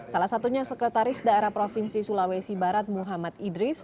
salah satunya sekretaris daerah provinsi sulawesi barat muhammad idris